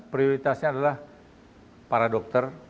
prioritasnya adalah para dokter